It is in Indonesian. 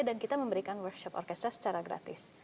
dan kita memberikan workshop orkestra secara gratis